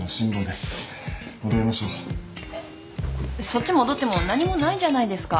そっち戻っても何もないじゃないですか。